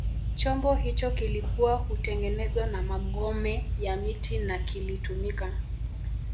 Chombo hicho kilikuwa hutengenezwa na magome ya miti na kilitumika